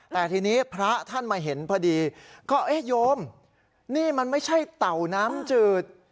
แต่ทีนี้พระท่านมาเห็นพอดีก็เอ๊ะโยมนี่มันไม่ใช่เต่าน้ำจืด